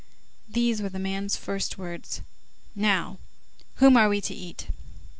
These were this man's first words:— "Now, whom are we to eat?"